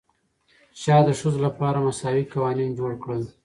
شاه د ښځو لپاره مساوي قوانین جوړ کړل.